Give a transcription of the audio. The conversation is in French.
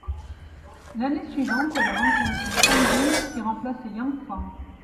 L'année suivante, elles rencontrent Shenggy qui remplace Yang Fan.